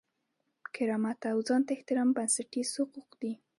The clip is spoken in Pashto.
کرامت او ځان ته احترام بنسټیز حقوق دي.